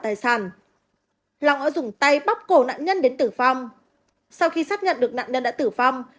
tài sản long đã dùng tay bóp cổ nạn nhân đến tử phong sau khi xác nhận được nạn nhân đã tử phong